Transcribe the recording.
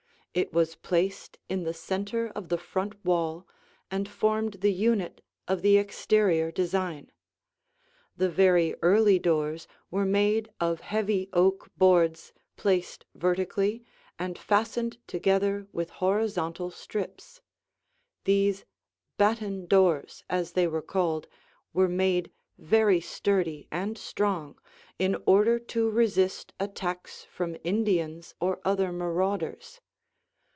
It was placed in the center of the front wall and formed the unit of the exterior design. The very early doors were of heavy oak boards placed vertically and fastened together with horizontal strips. These batten doors, as they were called, were made very sturdy and strong, in order to resist attacks from Indians or other marauders.